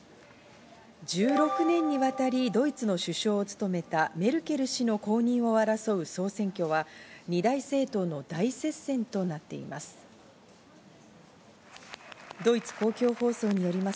１６年にわたりドイツの首相を務めたメルケル氏の後任を争う総選挙は２大政党の大接戦となっています。